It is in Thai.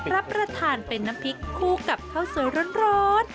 รับประทานเป็นน้ำพริกคู่กับข้าวสวยร้อน